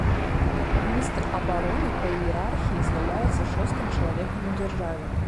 Міністр абароны па іерархіі з'яўляецца шостым чалавекам у дзяржаве.